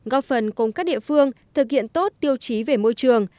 góp phần cùng các địa phương thực hiện tốt tiêu chí về môi trường